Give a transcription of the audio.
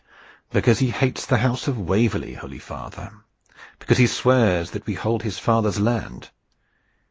"Because he hates the House of Waverley, holy father; because he swears that we hold his father's land."